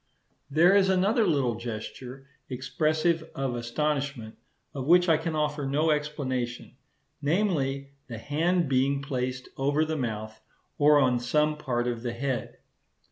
There is another little gesture, expressive of astonishment of which I can offer no explanation; namely, the hand being placed over the mouth or on some part of the head.